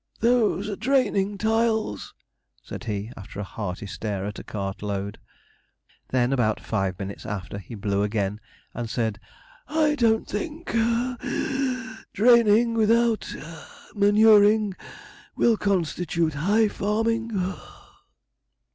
'Those are draining tiles,' said he, after a hearty stare at a cart load. Then about five minutes after he blew again, and said, 'I don't think (puff) that (wheeze) draining without manuring will constitute high farming (puff).'